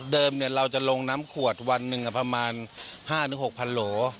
เดิมเราจะลงน้ำขวดวันหนึ่งประมาณ๕๖พันโล